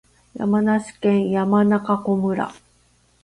山梨県山中湖村